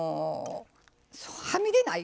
はみ出ない。